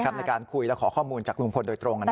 ในการคุยและขอข้อมูลจากลุงพลโดยตรง